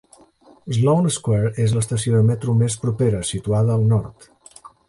Sloane Square és l'estació de metro més propera, situada al nord.